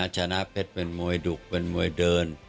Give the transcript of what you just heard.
ชนะเพชรเป็นมวยดุกเป็นมวยเดิน